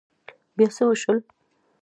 بيا څه وشول؟